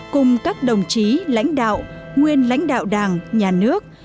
cùng các đồng chí lãnh đạo nguyên lãnh đạo đảng nhà nước